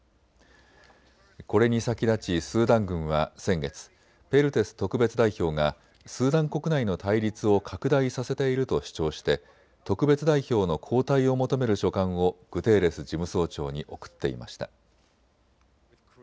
これに先立ちスーダン軍は先月、ペルテス特別代表がスーダン国内の対立を拡大させていると主張して特別代表の交代を求める書簡をグテーレス事務総長に送っていました。